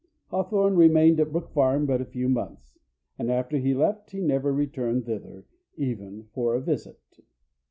Hawthorne remained at Brook Farm but a few months, and after he left he never returned thither, even for a visit.